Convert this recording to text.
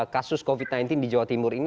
kasus covid sembilan belas di jawa timur ini